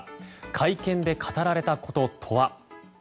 会見で語られたこととは。